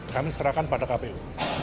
kami serahkan pada kpu